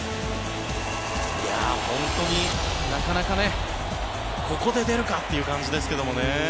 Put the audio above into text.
本当になかなか、ここで出るかという感じですけどね。